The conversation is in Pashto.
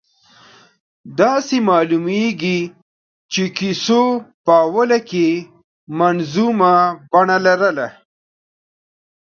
داسې معلومېږي چې کیسو په اوله کې منظومه بڼه لرله.